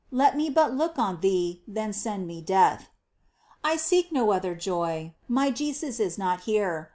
Let me but look on Thee, Then send me death ! I seek no other joy — My Jesus is not here